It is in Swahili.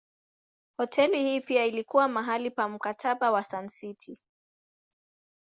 Hoteli hii pia ilikuwa mahali pa Mkataba wa Sun City.